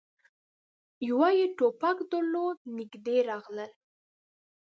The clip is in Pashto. يوه يې ټوپک درلود. نږدې راغلل،